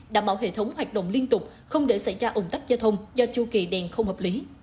đảm bảo hệ thống hoạt động liên tục không để xảy ra ủng tắc giao thông do chu kỳ đèn không hợp lý